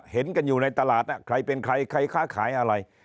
เห็นกันอยู่ในตลาดใครเป็นใครใครค้าขายอะไร